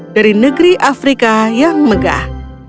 dari negeri afrika yang megah